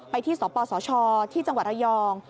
ที่สปสชที่จังหวัดระยอง